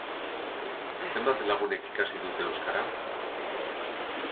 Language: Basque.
Zenbat lagunek ikasi dute euskara?